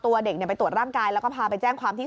ตัวเด็กไปตรวจร่างกายแล้วก็พาไปแจ้งความที่